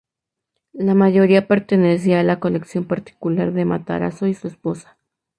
La mayoría pertenecía a la colección particular de Matarazzo y su esposa.